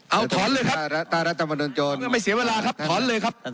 เอาถอนเลยครับรัฐธรรมนูญโจรไม่เสียเวลาครับถอนเลยครับ